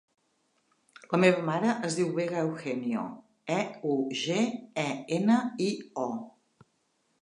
La meva mare es diu Vega Eugenio: e, u, ge, e, ena, i, o.